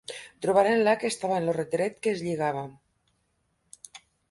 Trobaren-la que estava en lo retret que es lligava.